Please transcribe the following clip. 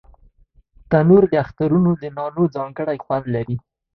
تنور د اخترونو د نانو ځانګړی خوند لري